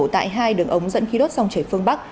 tại hai đường ống dẫn khí đốt sông trời phương bắc